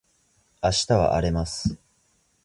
明日は荒れます